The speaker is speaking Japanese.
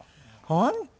本当！？